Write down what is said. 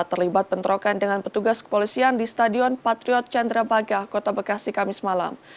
terlibat bentrokan dengan petugas kepolisian di stadion patriot candrabaga kota bekasi kamis malam